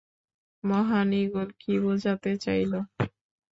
মহান ঈগল কী বোঝাতে চাইল?